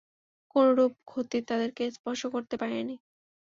কোনরূপ ক্ষতি তাদেরকে স্পর্শ করতে পারেনি।